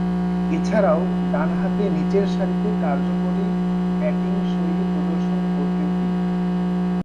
এছাড়াও, ডানহাতে নিচেরসারিতে কার্যকরী ব্যাটিংশৈলী প্রদর্শন করতেন তিনি।